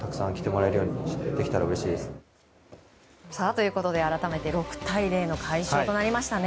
ということで改めて６対０の大勝となりましたね。